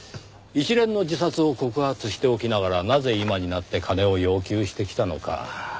一連の自殺を告発しておきながらなぜ今になって金を要求してきたのか。